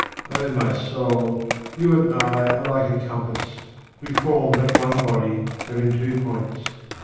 O my soul, you and I are like a compass. We form but one body, having two points.